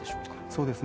そうですね